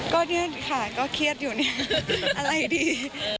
ก็เนี่ยค่ะก็เคี้ยงอยู่อะไรดี